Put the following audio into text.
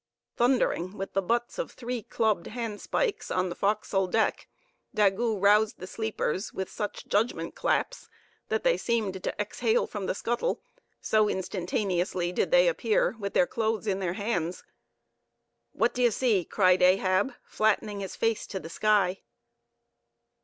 Thundering with the butts of three clubbed handspikes on the forecastle deck, Daggoo roused the sleepers with such judgment claps that they seemed to exhale from the scuttle, so instantaneously did they appear with their clothes in their hands. "What d'ye see?" cried Ahab, flattening his face to the sky.